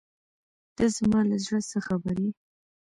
ته زما له زړۀ څه خبر یې.